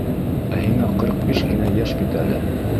Ә һиңә ҡырҡ биш кенә йәш бит әле.